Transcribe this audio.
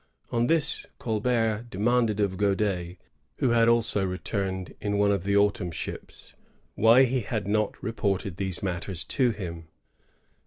On this Colbert demanded of Graudais, who had also returned in one of the autumn ships, why he had not reported these matters to him.